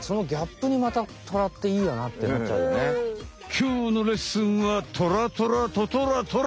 きょうのレッスンはトラトラトトラトラ！